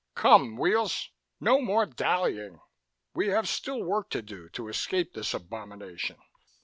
Come, Weels, no more dallying! We have still work to do to escape this abomination!"